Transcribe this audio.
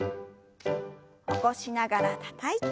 起こしながらたたいて。